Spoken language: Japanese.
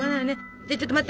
じゃちょっと待って。